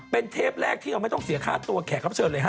เป็นเทปแรกที่เราไม่ต้องเสียค่าตัวแขกรับเชิญเลยฮ